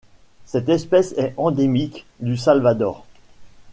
Cette espèce est endémique du Salvador.